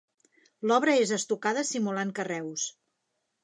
L'obra és estucada simulant carreus.